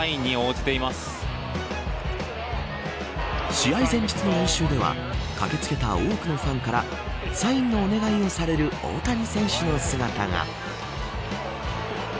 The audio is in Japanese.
試合前日の練習では駆け付けた多くのファンからサインのお願いをされる大谷選手の姿が。